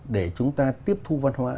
để chúng ta tiếp thu văn hóa